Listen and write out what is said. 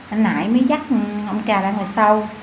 anh nãy mới dắt ông trà ra ngồi sau